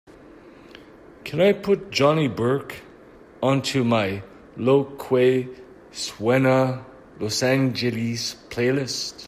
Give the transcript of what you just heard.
Can I put johnny burke onto my lo que suena los angeles playlist?